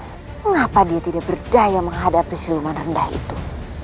kenapa dia tidak berdaya menghadapi siliwan rendah itu